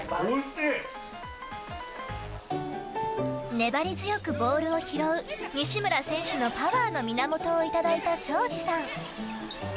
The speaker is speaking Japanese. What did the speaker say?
粘り強くボールを拾う西村選手のパワーの源をいただいた庄司さん。